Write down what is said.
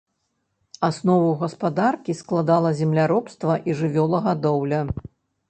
Аснову гаспадаркі складала земляробства і жывёлагадоўля.